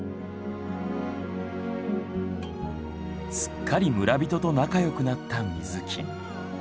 すっかり村人と仲良くなった水木。